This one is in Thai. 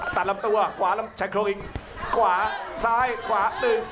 ตัดลำตัวใช้โครงอีกขวาซ้ายขวา๑๒